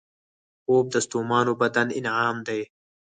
خوب د ستومانو بدن انعام دی